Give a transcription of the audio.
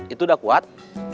itu udah kuat